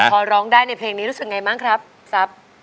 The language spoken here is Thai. พอร้องได้ในเพลงนี้รู้สึกไงบ้างครับทรัพย์